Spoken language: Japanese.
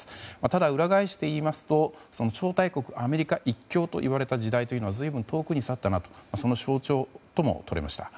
ただ、裏返して言いますと超大国アメリカ一強と言われた時代は随分と遠くに去ったなとその象徴ともとれました。